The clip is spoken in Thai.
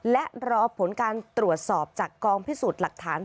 และรอผลการตรวจสอบจากกองพิสูจน์หลักฐาน